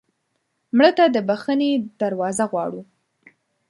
مړه ته د بښنې دروازه غواړو